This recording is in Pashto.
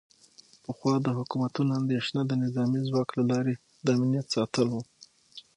پخوا د حکومتونو اندیښنه د نظامي ځواک له لارې د امنیت ساتل و